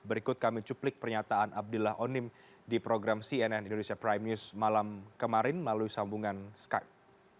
berikut kami cuplik pernyataan abdillah onim di program cnn indonesia prime news malam kemarin melalui sambungan skype